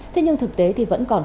thế nhưng thực tế thì vẫn còn khó